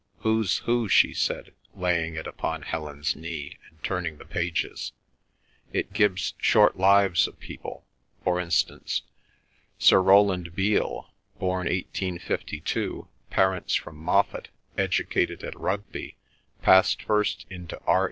"Who's Who," she said, laying it upon Helen's knee and turning the pages. "It gives short lives of people—for instance: 'Sir Roland Beal; born 1852; parents from Moffatt; educated at Rugby; passed first into R.